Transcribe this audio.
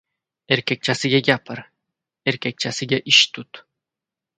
“Erkakchasiga gapir”, “erkakchasiga ish tut”